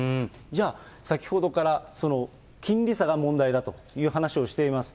じゃあ、先ほどから金利差が問題だという話をしています。